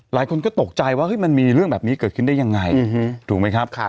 หลายคนก็ตกใจว่ามันมีเรื่องแบบนี้เกิดขึ้นได้ยังไงถูกไหมครับ